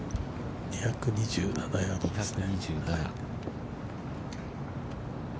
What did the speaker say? ◆２２７ヤードですね。